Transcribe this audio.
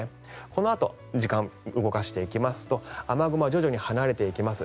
このあと時間を動かしていきますと雨雲は徐々に離れていきます。